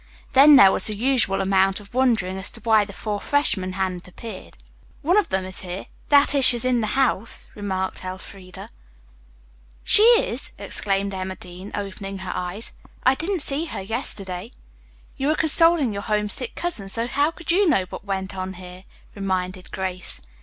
Then there was the usual amount of wondering as to why the four freshmen hadn't appeared. "One of them is here that is, she's in the house," remarked Elfreda laconically. "She is!" exclaimed Emma Dean, opening her eyes. "I didn't see her yesterday." "You were consoling your homesick cousin, so how could you know what went on here?" reminded Grace.